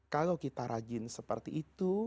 kalau kita rajin seperti itu